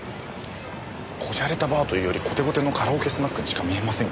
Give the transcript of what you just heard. こじゃれたバーというよりコテコテのカラオケスナックにしか見えませんけど。